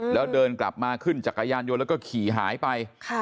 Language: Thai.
แล้วเดินกลับมาขึ้นจักรยานยนต์แล้วก็ขี่หายไป